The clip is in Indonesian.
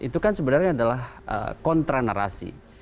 itu kan sebenarnya adalah kontra narasi